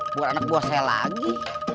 buat anak buah saya lagi